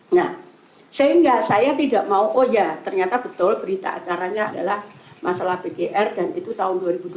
nah sehingga saya tidak mau oh ya ternyata betul berita acaranya adalah masalah pgr dan itu tahun dua ribu dua puluh